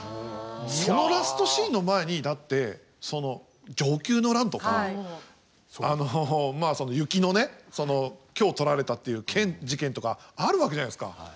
そのラストシーンの前にだってその承久の乱とかあのまあその雪のねその今日撮られたっていう事件とかあるわけじゃないですか。